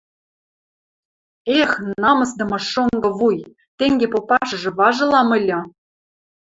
Эх, намысдымы шонгы вуй... тенге попашыжы важылам ыльы.